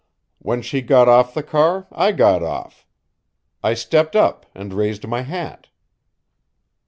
When she got off the car I got off. I stepped up and raised my hat.